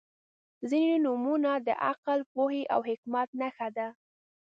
• ځینې نومونه د عقل، پوهې او حکمت نښه ده.